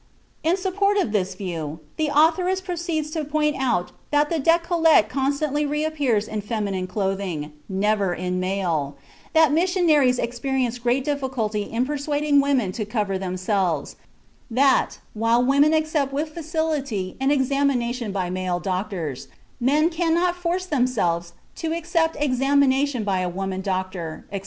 In support of this view the authoress proceeds to point out that the décolleté constantly reappears in feminine clothing, never in male; that missionaries experience great difficulty in persuading women to cover themselves; that, while women accept with facility an examination by male doctors, men cannot force themselves to accept examination by a woman doctor, etc.